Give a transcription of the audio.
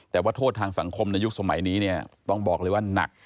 แต่ว่าโทษทางสังคมในยุคสมัยนี้เนี่ยต้องบอกเลยว่านัก